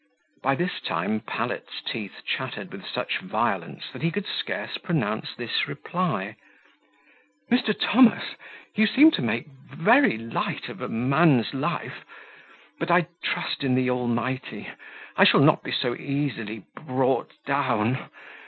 By this time Pallet's teeth chattered with such violence, that he could scarce pronounce this reply: "Mr. Thomas, you seem to make very light of a man's life; but I trust in the Almighty. I shall not be so easily brought down.